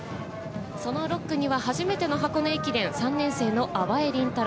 その６区には初めての箱根駅伝、３年生の粟江倫太郎。